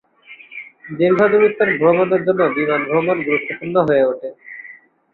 দীর্ঘ দূরত্বের ভ্রমণের জন্য বিমান ভ্রমণ গুরুত্বপূর্ণ হয়ে উঠছে।